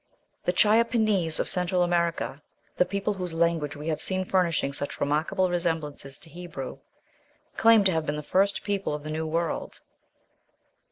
The Chiapenese of Central America (the people whose language we have seen furnishing such remarkable resemblances to Hebrew) claim to have been the first people of the New World.